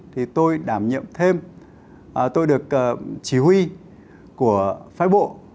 thì tôi đảm nhiệm thêm tôi được chỉ huy của phái bộ